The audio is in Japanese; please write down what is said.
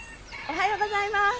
おはようございます。